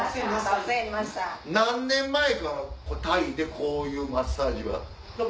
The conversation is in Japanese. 何年前からタイでこういうマッサージは？